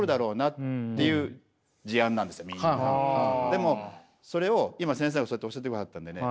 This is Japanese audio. でもそれを今先生がそうやって教えてくださったんでね